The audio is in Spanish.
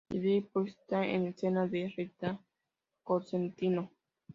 Idea y puesta en escena de Rita Cosentino.